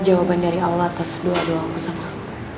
jawaban dari allah atas doa doa aku sama aku